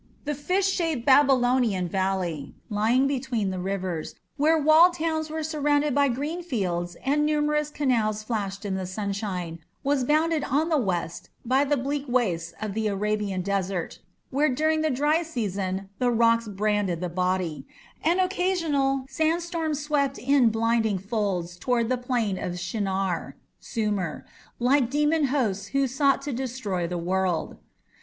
The fish shaped Babylonian valley lying between the rivers, where walled towns were surrounded by green fields and numerous canals flashed in the sunshine, was bounded on the west by the bleak wastes of the Arabian desert, where during the dry season "the rocks branded the body" and occasional sandstorms swept in blinding folds towards the "plain of Shinar" (Sumer) like demon hosts who sought to destroy the world.